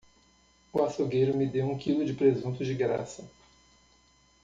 O açougueiro me deu um quilo de presunto de graça!